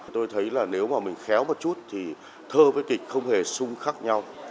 tôi thấy là nếu mà mình khéo một chút thì thơ với kịch không hề sung khác nhau